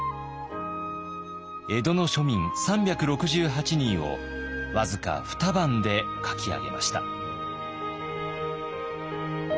江戸の庶民３６８人を僅か二晩で描き上げました。